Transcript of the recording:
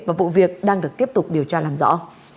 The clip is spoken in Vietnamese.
và vụ việc đang được tiếp tục điều tra làm rõ